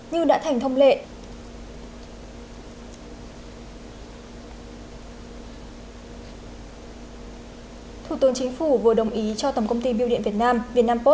như đã thành thông lệ thủ tướng chính phủ vừa đồng ý cho tổng công ty biêu điện việt nam vietnam post